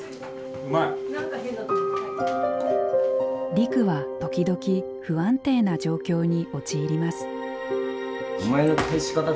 リクは時々不安定な状況に陥ります。